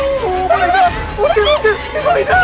itu tanya takut tapi kuda suka sama binatang itu